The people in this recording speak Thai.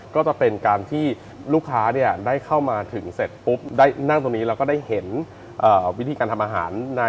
ก็จะเป็นการที่ลูกค้าได้เข้ามาถึงเสร็จปุ๊บได้นั่งตรงนี้แล้วก็ได้เห็นวิธีการทำอาหาร